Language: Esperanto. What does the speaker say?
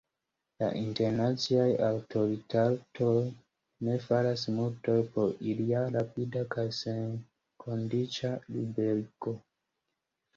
La internaciaj aŭtoritatuloj ne faras multon por ilia rapida kaj senkondiĉa liberigo.